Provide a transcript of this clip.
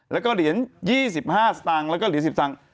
แล้วก็เหรียญ๒๕สตางค์แล้วก็เหรียญ๑๐สตางค์